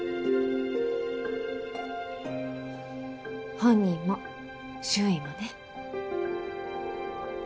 本人も周囲もね。